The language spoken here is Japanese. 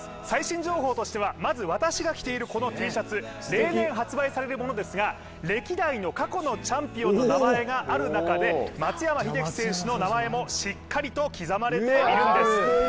最新情報としてはまず私が着ているこのＴシャツ、例年発売されるものですが歴代の過去のチャンピオンの名前がある中で、松山英樹選手の名前もしっかりと刻まれているんです。